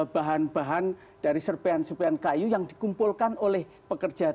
bahan bahan dari serpean serpean kayu yang dikumpulkan oleh pekerjaan itu